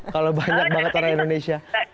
kalau banyak banget orang indonesia